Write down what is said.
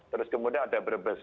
terus kemudian ada brebes